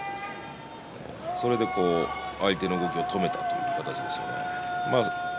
それで相手の動きを止めたという形です。